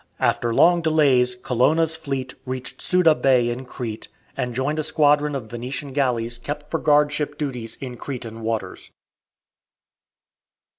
After long delays Colonna's fleet reached Suda Bay in Crete, and joined a squadron of Venetian galleys kept for guardship duties in Cretan waters.